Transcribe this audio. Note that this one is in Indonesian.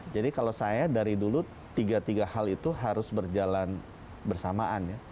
jadi kalau saya dari dulu tiga tiga hal itu harus berjalan bersamaan